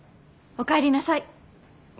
おかえりなさい。